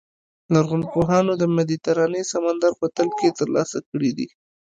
لرغونپوهانو د مدیترانې سمندر په تل کې ترلاسه کړي دي.